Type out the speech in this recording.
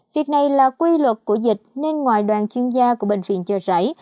việc này là quy luật của dịch nên ngoài đoàn chuyên gia của bệnh viện chợ rẫy